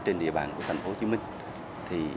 trên địa bàn của thành phố hồ chí minh